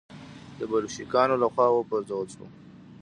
د بلشویکانو له خوا و پرځول شو.